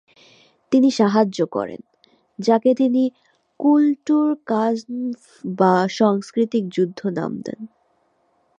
তিনি সাহায্য করেন, যাকে তিনি "কুলটুরকাম্ফ" বা সাংস্কৃতিক যুদ্ধ নাম দেন।